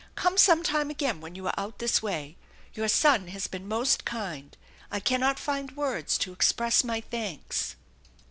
Come sometime again when you are out this way. Your son has been most kind. I cannot find words to express my thanks."